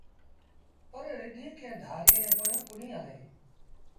پر رڍينٚ ڪݩهݩ ڌآريٚݩ ري پويآنٚ ڪونهي هلينٚ